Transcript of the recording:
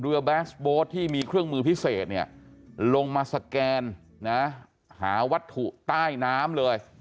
เรือแบสโบสท์ที่มีเครื่องมือพิเศษลงมาสแกนหาวัตถุใต้น้ำเลย